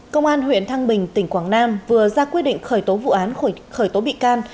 công an huyện thăng bình tỉnh quảng nam vừa ra quyết định khởi tố vụ án khởi tố bị can